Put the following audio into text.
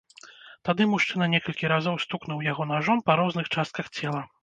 Тады мужчына некалькі разоў стукнуў яго нажом па розных частках цела.